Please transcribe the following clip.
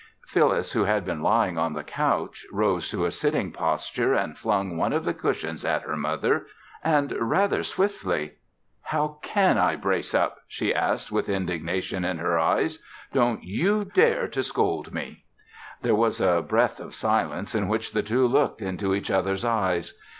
Phyllis, who had been lying on the couch, rose to a sitting posture and flung one of the cushions at her mother, and rather swiftly. "How can I brace up?" she asked with indignation in her eyes. "Don't you dare to scold me." There was a breath of silence in which the two looked into each other's eyes.